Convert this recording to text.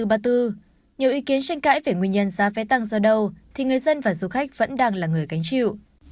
nhiều ý kiến tranh cãi về nguyên nhân giá vé tăng do đâu thì người dân và du khách vẫn đang là người gánh chịu